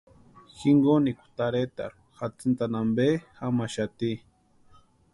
Jinkonikwa tarhetarhu jatsintani ampe jamaxati.